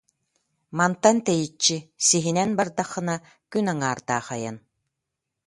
Мантан тэйиччи: сиһинэн бардаххына күн аҥаардаах айан